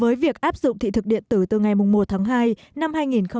với việc áp dụng thị thực điện tử từ ngày một tháng hai năm hai nghìn một mươi bảy